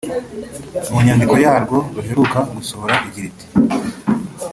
mu nyandiko yarwo ruheruka gusohora igira iti